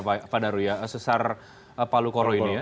berbahaya sebenarnya pak darwiyah sesar palu koro ini ya